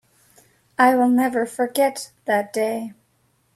I will never forget that day.